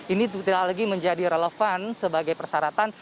ini tidak lagi menjadi relevan sebagai persyaratan